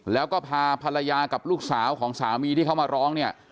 แล้วก็พาภรรยากับลูกสาวของสามีที่เขามาร้องเนี่ย